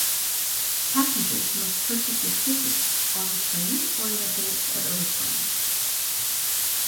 Passengers must purchase their tickets on the train or in advance at other times.